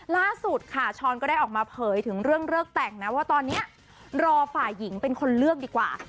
ล่าสุดค่ะช้อนก็ได้ออกมาเผยถึงเรื่องเลิกแต่งนะว่าตอนนี้รอฝ่ายหญิงเป็นคนเลือกดีกว่า